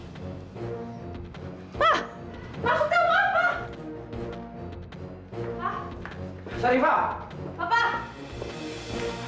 masukkan maaf pak